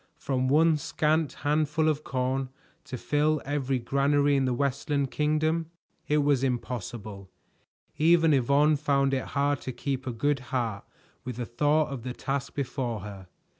From one scant handful of corn to fill every granary in the Westland Kingdom! It was impossible. Even Yvonne found it hard to keep a good heart with the thought of the task before her.